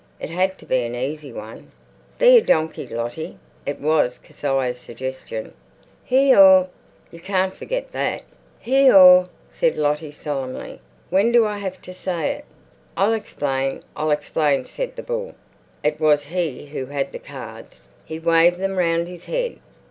It had to be an easy one. "Be a donkey, Lottie." It was Kezia's suggestion. "Hee haw! You can't forget that." "Hee haw!" said Lottie solemnly. "When do I have to say it?" "I'll explain, I'll explain," said the bull. It was he who had the cards. He waved them round his head.